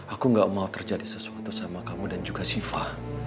aku gak mau terjadi sesuatu sama kamu dan juga siva